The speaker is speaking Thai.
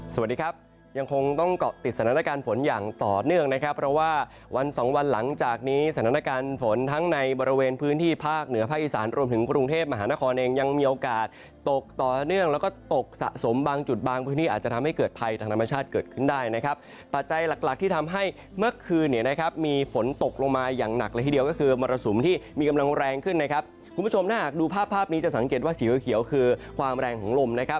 สวัสดีครับยังคงต้องเกาะติดสถานการณ์ฝนอย่างต่อเนื่องนะครับเพราะว่าวันสองวันหลังจากนี้สถานการณ์ฝนทั้งในบริเวณพื้นที่ภาคเหนือภาคอีสานรวมถึงกรุงเทพมหานครเองยังมีโอกาสตกต่อเนื่องแล้วก็ตกสะสมบางจุดบางพื้นที่อาจจะทำให้เกิดภัยทางธรรมชาติเกิดขึ้นได้นะครับปัจจัยหลั